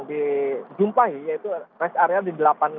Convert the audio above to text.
dijumpai yaitu rest area di delapan